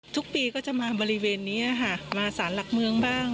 ทุกปีก็จะมาบริเวณนี้ค่ะมาสารหลักเมืองบ้าง